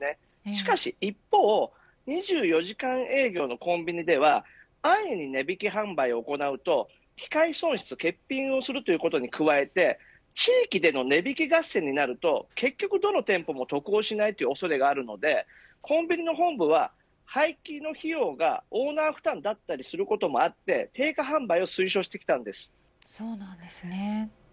しかし一方２４時間営業のコンビニでは安易に値引き販売を行うと機会損失欠品をすることに加えて地域での値引き合戦になると結局どの店舗も得をしないという恐れがあるのでコンビニの本部は、廃棄の費用がオーナー負担だったりすることもあってそうなんですね。